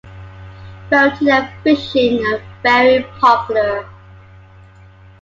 Boating and fishing are very popular.